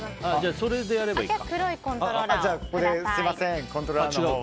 それでやればいいか。